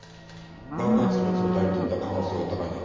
爆発物を抱いていた可能性が高いな。